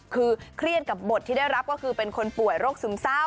คือเครียดกับบทที่ได้รับก็คือเป็นคนป่วยโรคซึมเศร้า